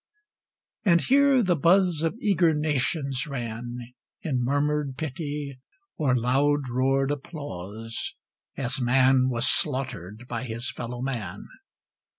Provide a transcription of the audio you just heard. And here the buzz of eager nations ran, In murmured pity, or loud roared applause, As man was slaughtered by his fellow man.